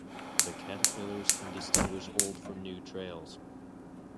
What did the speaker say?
The caterpillars can distinguish old from new trails.